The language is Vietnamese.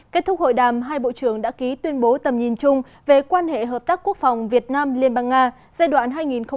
kết thúc hội đàm hai bộ trưởng đã ký tuyên bố tầm nhìn chung về quan hệ hợp tác quốc phòng việt nam liên bang nga giai đoạn hai nghìn hai mươi hai nghìn hai mươi năm